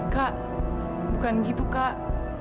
kak bukan gitu kak